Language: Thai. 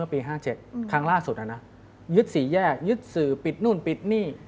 ที่ผ่านมาไหมครับเมื่อปี๕๗ครั้งล่าสุดนะยึดสี่แยกยึดสื่อปิดนู่นปิดนี่